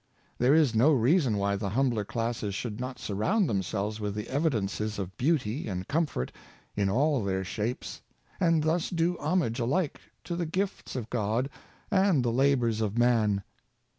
There is no reason why the humbler classes should not surround themselves with the evidences of beauty and comfort in all their shapes, and thus do homage alike to the gifts of God and the labors of man.